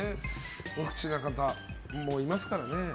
無口な方もいますからね。